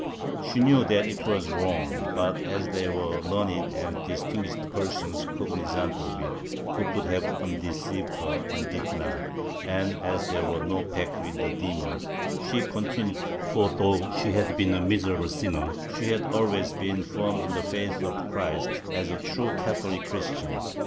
She knew that it was wrong but, as there were learned and distinguished persons cognizant of it, who could have unde ceived her and did not and, as there was no pact with the demon, she continued for, though she had been a miserable sinner, she had always been firm in the faith of Christ as a true Catholic Christian.